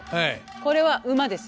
これは馬です。